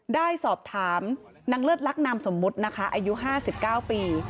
ได้สอบถามนางเลิศลักนามสมมุตินะคะอายุ๕๙ปี